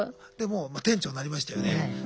でも店長になりましたよね。